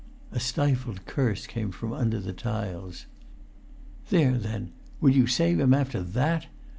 A stifled curse came from under the tiles. "There, then! Would you save him after that?